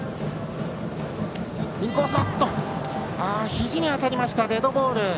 ひじに当たりましたデッドボール。